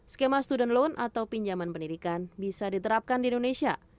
skema student loan atau pinjaman pendidikan bisa diterapkan di indonesia